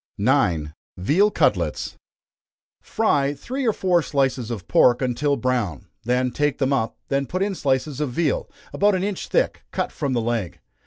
9. Veal Cutlets. Fry three or four slices of pork until brown take them up, then put in slices of veal, about an inch thick, cut from the leg.